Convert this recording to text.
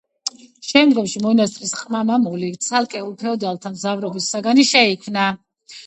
შემდგომში მონასტრის ყმა-მამული ცალკეულ ფეოდალთა მძლავრობის საგანი შეიქნა.